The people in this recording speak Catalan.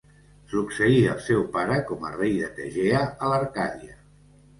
Succeí el seu pare com a rei de Tegea, a l'Arcàdia.